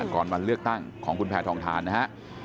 ก่อนวันเลือกตั้งของคุณแพทองทานนะฮะ